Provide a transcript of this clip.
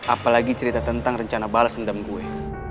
apalagi cerita tentang rencana balas dendam gue